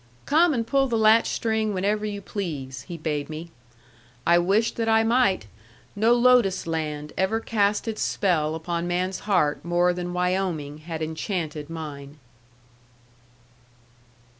"Come and pull the latch string whenever you please," he bade me. I wished that I might! No lotus land ever cast its spell upon man's heart more than Wyoming had enchanted mine.